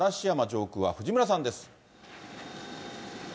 上空は藤村さんです。